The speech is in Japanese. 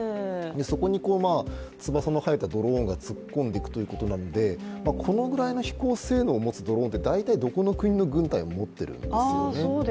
そこに翼の生えたドローンが突っ込んでいくということなのでこのぐらいの飛行精度を持つドローンって、大体どこの軍隊も持っているんですよね。